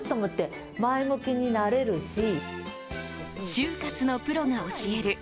終活のプロが教える